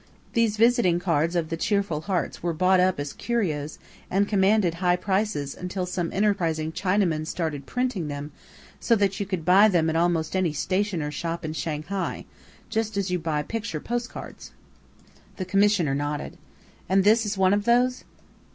These visiting cards of 'The Cheerful Hearts' were bought up as curios, and commanded high prices until some enterprising Chinaman started printing them, so that you could buy them at almost any stationer's shop in Shanghai just as you buy picture post cards." The Commissioner nodded. "And this is one of those?"